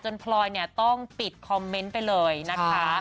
จนพลอยต้องปิดคอมเมนต์ไปเลยนะคะ